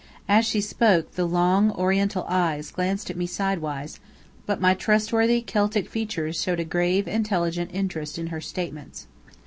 As she spoke, the long, oriental eyes glanced at me sidewise, but my trustworthy Celtic features showed a grave, intelligent interest in her statements.